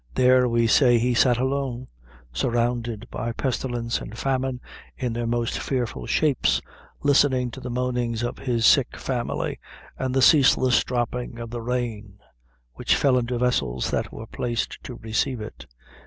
There, we say, he sat alone, surrounded by pestilence and famine in their most fearful shapes, listening to the moanings of his sick family, and the ceaseless dropping of the rain, which fell into the vessels that were placed to receive it.